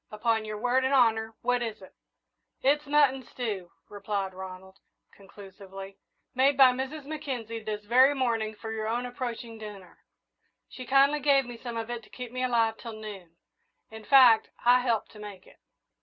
"Upon your word and honour, what is it?" "It's mutton stew," replied Ronald, conclusively, "made by Mrs. Mackenzie this very morning for your own approaching dinner. She kindly gave me some of it to keep me alive till noon. In fact, I helped to make it."